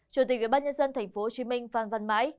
chủ tịch ủy ban nhân dân tp hcm phan văn mãi